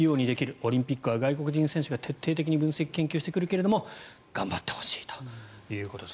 オリンピックは外国人選手が徹底的に分析研究してくるけど頑張ってほしいということです。